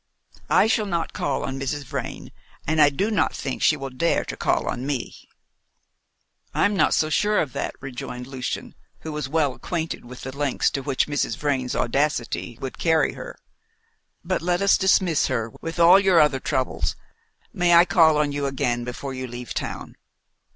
I shall not call on Mrs. Vrain, and I do not think she will dare to call on me." "I'm not so sure of that," rejoined Lucian, who was well acquainted with the lengths to which Mrs. Vrain's audacity would carry her; "but let us dismiss her, with all your other troubles. May I call on you again before you leave town?"